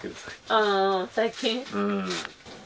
あー、最近？